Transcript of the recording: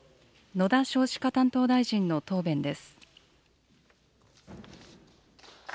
野田少子化担当大臣の答弁です。